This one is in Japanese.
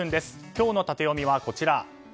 今日のタテヨミは、こちら。